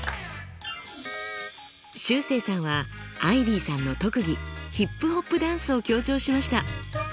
しゅうせいさんはアイビーさんの特技ヒップホップダンスを強調しました。